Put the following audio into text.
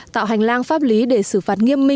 tạo hành lang pháp lý để xử phạt nghiêm minh